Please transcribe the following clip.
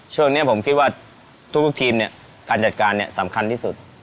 ช่วงนี้ผมคิดว่าทุกทีมเนี่ยการจัดการเนี่ยสำคัญที่สุด